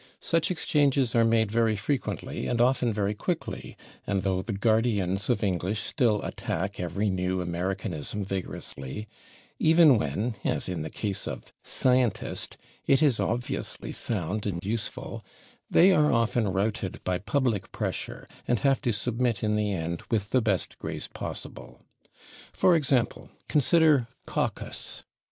Such exchanges are made very frequently and often very quickly, and though the guardians of English still attack every new Americanism vigorously, even when, as in the case of /scientist/, it is obviously sound and useful, they are often routed by public pressure, and have to submit in the end with the best grace possible. For example, consider /caucus